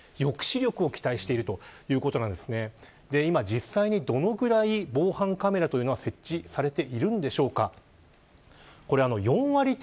実際にどのぐらい防犯カメラは設置されているんでしょうか。